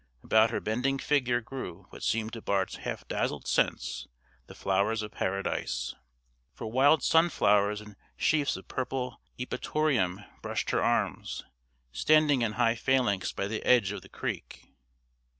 About her bending figure grew what seemed to Bart's half dazzled sense the flowers of paradise, for wild sunflowers and sheafs of purple eupatorium brushed her arms, standing in high phalanx by the edge of the creek.